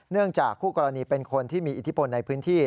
จากคู่กรณีเป็นคนที่มีอิทธิพลในพื้นที่